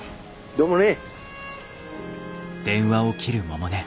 どうもね。